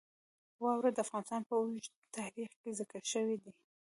واوره د افغانستان په اوږده تاریخ کې ذکر شوې ده.